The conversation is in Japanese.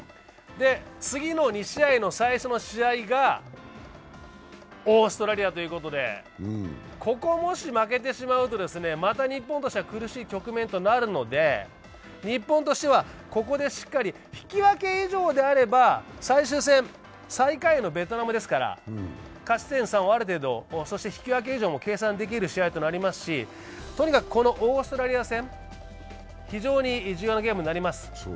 次の２試合の最初の試合がオーストラリアということで、ここもし負けてしまうと、また日本としては苦しい局面となるので、日本としては、ここでしっかり、引き分け以上であれば最終戦は最下位のベトナムですから、勝ち点３をある程度、そして引き分け以上も計算できる展開となりますしとにかくオーストラリア戦、非常に重要なゲームになります。